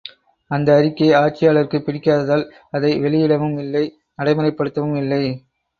அந்த அறிக்கை ஆட்சியாளருக்குப் பிடிக்காததால் அதை வெளியிடவும் இல்லை நடைமுறைப் படுத்தவும் இல்லை.